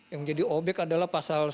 yang jadi obyek adalah pasal satu ratus